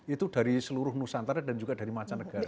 itu dari seluruh nusantara dan juga dari macam negara